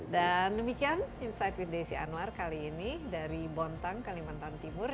dan demikian insight with desy anwar kali ini dari buntang kalimantan timur